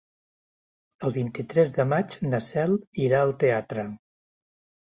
El vint-i-tres de maig na Cel irà al teatre.